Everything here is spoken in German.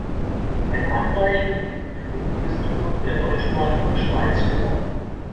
Ein Handreichung liegt für die Bistümer der deutschsprachigen Schweiz vor.